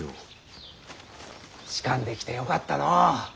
仕官できてよかったのう。